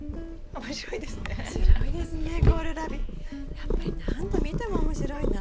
やっぱり何度見ても面白いな。